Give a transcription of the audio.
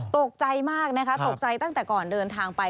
ตกใจมากนะคะตกใจตั้งแต่ก่อนเดินทางไป